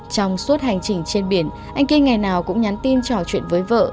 trong suốt hành trình trên biển anh kia ngày nào cũng nhắn tin trò chuyện với vợ